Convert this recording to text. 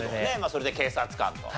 それで警察官と。